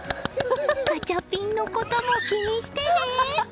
ガチャピンのことも気にしてね。